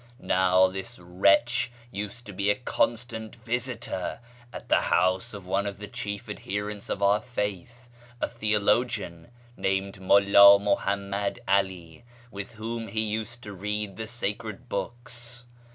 " Now this wretch used to be a constant visitor at the house of one of the chief adherents of our faith, a theologian named MuUa Muhammad 'Ali, with whom he used to read the sacred books.